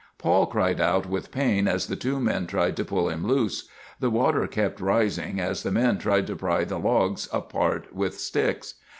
Paul cried out with pain as the two men tried to pull him loose. The water kept rising as the men tried to pry the logs apart with sticks.